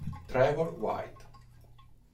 Trevor White